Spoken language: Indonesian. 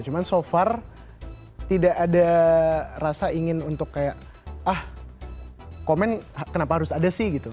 cuman so far tidak ada rasa ingin untuk kayak ah komen kenapa harus ada sih gitu